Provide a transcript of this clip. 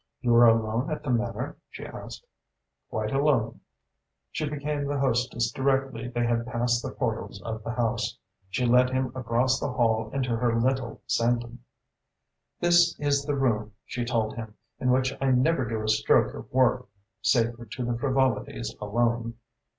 "You are alone at the Manor?" she asked. "Quite alone." She became the hostess directly they had passed the portals of the house. She led him across the hall into her little sanctum. "This is the room," she told him, "in which I never do a stroke of work sacred to the frivolities alone.